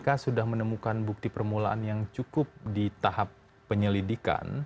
kpk sudah menemukan bukti permulaan yang cukup di tahap penyelidikan